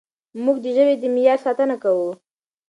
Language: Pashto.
موږ د ژبې د معیار ساتنه کوو.